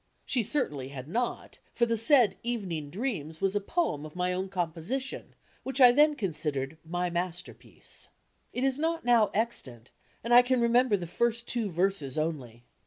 She certainly had not, for the said "Evening Dreams" was a poem of my own composition, which I then consid ered my masterpiece. It is not now extant, and I can remem ber the first two verses only.